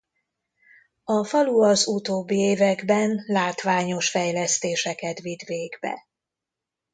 A falu az utóbbi években látványos fejlesztéseket vitt végbe.